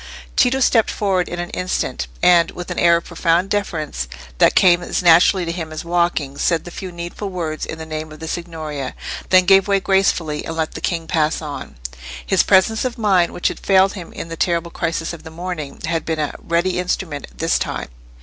Tito stepped forward in an instant, and, with the air of profound deference that came as naturally to him as walking, said the few needful words in the name of the Signoria; then gave way gracefully, and let the king pass on. His presence of mind, which had failed him in the terrible crisis of the morning, had been a ready instrument this time.